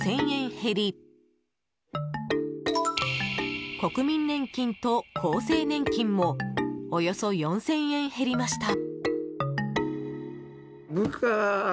減り国民年金と厚生年金もおよそ４０００円減りました。